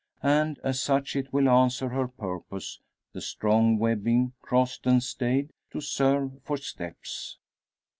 And as such it will answer her purpose, the strong webbing, crossed and stayed, to serve for steps.